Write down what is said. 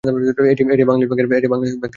এটি বাংলাদেশ ব্যাংক-এর সদরদপ্তর।